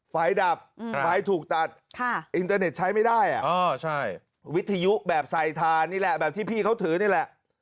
ไฟดับไฟถูกตัดอินเตอร์เน็ตใช้ไม่ได้วิทยุแบบไซทานี่แหละแบบที่พี่เขาถือนี่แหละ